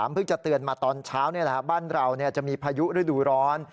เพิ่งจะเตือนมาตอนเช้าบ้านเราจะมีพายุฤดูร้อน